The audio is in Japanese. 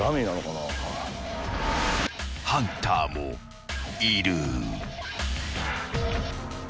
［ハンターもいる］